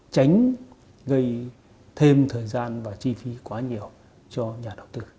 tránh gây thêm thời gian và chi phí quá nhiều cho nhà đầu tư